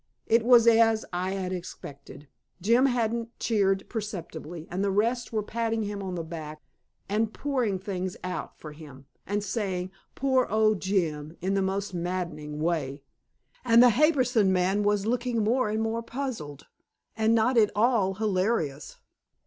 It was as I had expected. Jim hadn't cheered perceptibly, and the rest were patting him on the back, and pouring things out for him, and saying, "Poor old Jim" in the most maddening way. And the Harbison man was looking more and more puzzled, and not at all hilarious.